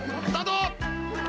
スタート！